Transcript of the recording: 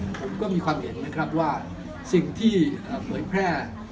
ผมก็มีความเห็นนะครับว่าสิ่งที่เผยแพร่